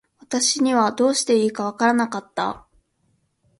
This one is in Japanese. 私にはどうしていいか分らなかった。